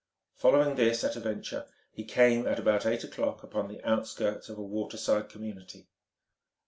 Following this at a venture, he came, at about eight o'clock, upon the outskirts of a waterside community.